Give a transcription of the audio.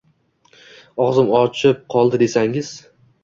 Ogʻzim ochilib qoldi desangiz.